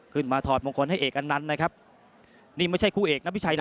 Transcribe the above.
ถอดมงคลให้เอกอันนันต์นะครับนี่ไม่ใช่คู่เอกนะพี่ชัยนะ